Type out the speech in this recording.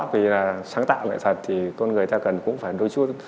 vì sáng tạo lại thật thì con người ta cần cũng phải đôi chút